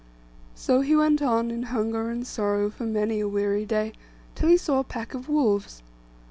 So he went on in hunger and sorrow for many a weary day, till he saw a pack of wolves.